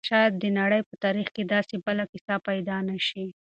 شاید د نړۍ په تاریخ کې داسې بله کیسه پیدا نه شي.